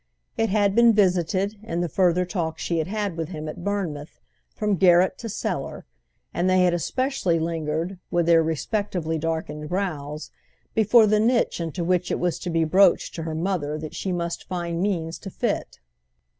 It had been visited, in the further talk she had had with him at Bournemouth, from garret to cellar, and they had especially lingered, with their respectively darkened brows, before the niche into which it was to be broached to her mother that she must find means to fit.